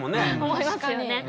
思いますよね。